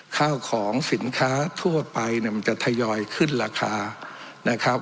ข้าวของสินค้าทั่วไปเนี่ยมันจะทยอยขึ้นราคานะครับ